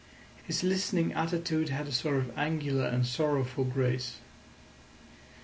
His listening attitude had a sort of angular and sorrowful grace.